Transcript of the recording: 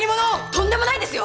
とんでもないですよ！